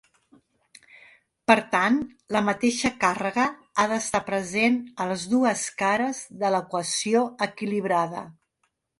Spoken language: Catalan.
Per tant, la mateixa càrrega ha d'estar present a les dues cares de l'equació equilibrada.